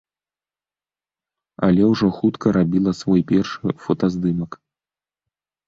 Але ўжо хутка рабіла свой першы фотаздымак.